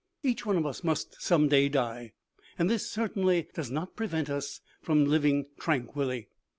Each one of us must some day die, and this certainty does not prevent us from living tranquilly.